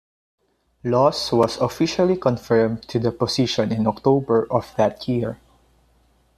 Laws was officially confirmed to the position in October of that year.